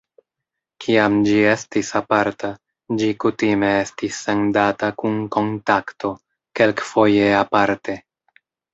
Kiam ĝi estis aparta, ĝi kutime estis sendata kun "Kontakto", kelkfoje aparte.